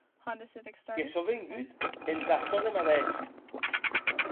Que sò vengut entà çò de madeish.